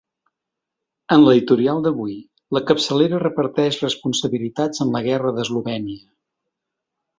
En l’editorial d’avui, la capçalera reparteix responsabilitats en la guerra d’Eslovènia.